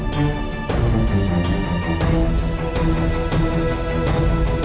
kau bingung ngapain tuh wadaw